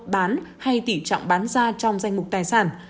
bán hay tỉ trọng bán ra trong danh mục tài sản